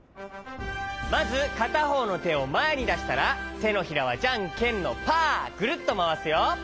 まずかたほうのてをまえにだしたらてのひらはじゃんけんのパーぐるっとまわすよ。